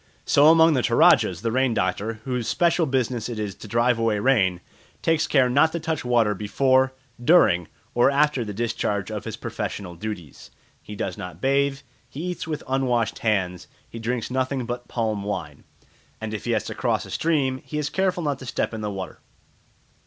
So among the Toradjas the rain doctor, whose special business it is to drive away rain, takes care not to touch water before, during, or after the discharge of his professional duties. He does not bathe, he eats with unwashed hands, he drinks nothing but palm wine, and if he has to cross a stream he is careful not to step in the water.